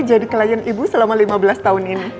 jadi klien ibu selama lima belas tahun ini